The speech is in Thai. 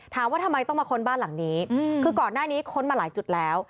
ถามว่าทำไมต้องมาค้นบ้านหลังนี้คือก่อนหน้านี้ค้นมาหลายจุดแล้ว